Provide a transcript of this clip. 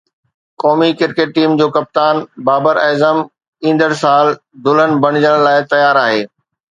قومي cricket team جو ڪپتان بابر اعظم ايندڙ سال دلہن بڻجڻ لاءِ تيار آهي